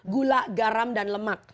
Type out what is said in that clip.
gula garam dan lemak